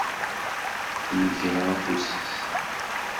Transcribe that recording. Yegra afus-is.